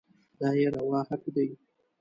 دا يې روا حق دی.